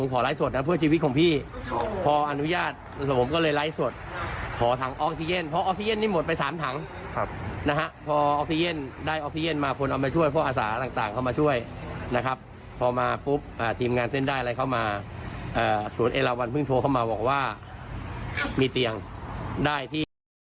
คุณโทรเข้ามาบอกว่ามีเตียงได้ที่